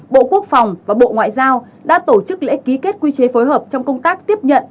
bộ quốc phòng và bộ ngoại giao đã tổ chức lễ ký kết quy chế phối hợp trong công tác tiếp nhận